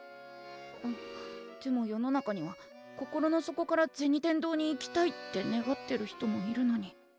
んでも世の中には心の底から銭天堂に行きたいって願ってる人もいるのに。